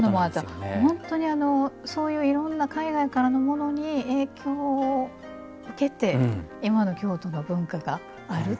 本当にあのそういういろんな海外からのものに影響を受けて今の京都の文化があるっていうね。